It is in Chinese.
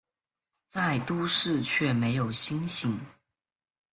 在都市却没有星星